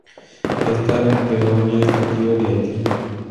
Esta "begonia" es nativa de Haití.